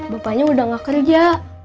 bapaknya udah gak kerja